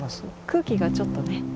空気がちょっとね。